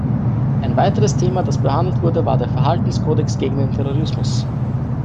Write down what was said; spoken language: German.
Ein weiteres Thema, das behandelt wurde, war der Verhaltenskodex gegen den Terrorismus.